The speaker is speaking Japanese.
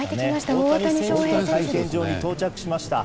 大谷選手が会見場に到着しました。